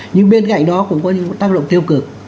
nhưng bên cạnh đó cũng có những tác động tiêu cực